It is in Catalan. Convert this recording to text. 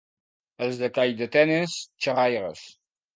Els de Calldetenes, xerraires.